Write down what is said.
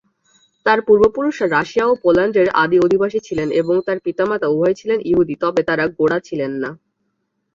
তার পূর্বপুরুষরা রাশিয়া ও পোল্যান্ডের আদি অধিবাসী ছিলেন এবং তার পিতামাতা উভয়েই ছিলেন ইহুদি, তবে তারা গোঁড়া ছিলেন না।